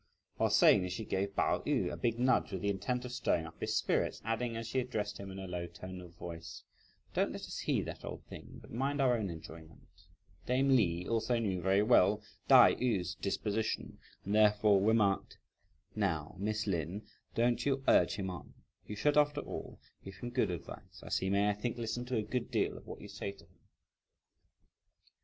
While saying this, she gave Pao yü a big nudge with the intent of stirring up his spirits, adding, as she addressed him in a low tone of voice: "Don't let us heed that old thing, but mind our own enjoyment." Dame Li also knew very well Tai yü's disposition, and therefore remarked: "Now, Miss Lin, don't you urge him on; you should after all, give him good advice, as he may, I think, listen to a good deal of what you say to him."